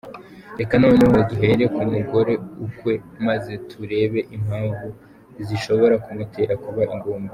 Reka noneho duhere ku mugore ukwe, maze turebe impamvu zishobora kumutera kuba ingumba.